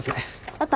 あった？